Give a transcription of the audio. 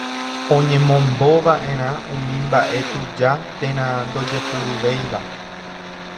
oñemombova'erã umi mba'e tuja térã ndojepuruvéiva